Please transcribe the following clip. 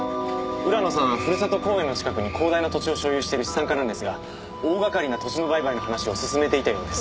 浦野さんはふるさと公園の近くに広大な土地を所有している資産家なんですが大がかりな土地の売買の話を進めていたようです。